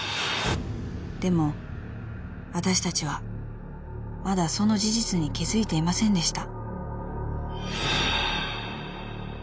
［でもわたしたちはまだその事実に気付いていませんでした］